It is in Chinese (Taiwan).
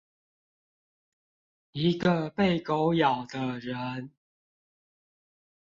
一個被狗咬的人